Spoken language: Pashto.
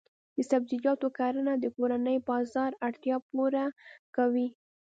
د سبزیجاتو کرنه د کورني بازار اړتیا پوره کوي.